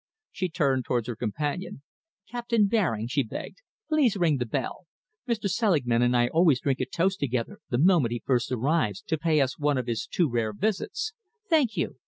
She turned towards her companion. "Captain Baring," she begged, "please ring the bell. Mr. Selingman and I always drink a toast together the moment he first arrives to pay us one of his too rare visits. Thank you!